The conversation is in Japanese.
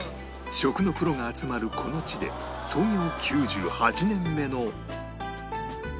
食のプロが集まるこの地で創業９８年目の